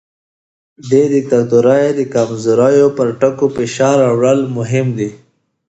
د دیکتاتورۍ د کمزورۍ پر ټکو فشار راوړل مهم دي.